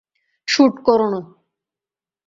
Shoot করো না!